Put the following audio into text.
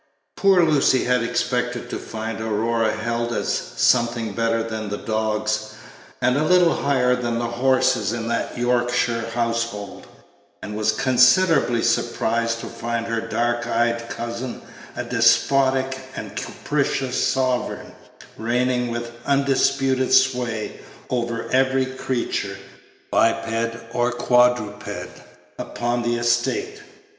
Poor Lucy had expected to find Aurora held as something better than the dogs, and a little higher than the horses in that Yorkshire household, and was considerably surprised to find her dark eyed cousin a despotic and capricious sovereign, reigning with undisputed sway over every creature, biped or quadruped, upon the estate.